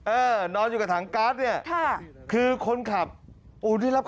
เออนอนอยู่กับถังเนี่ยคือคนขับโอ้ยนี่รับค้าจ